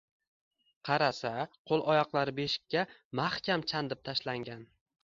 Qarasa qo‘l-oyoqlari beshikka mahkam chandib tashlangan.